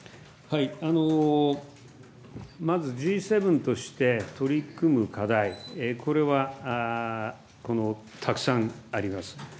まずＧ７として取り組む課題、これはたくさんあります。